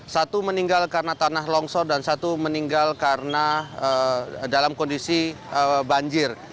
satu meninggal karena tanah longsor dan satu meninggal karena dalam kondisi banjir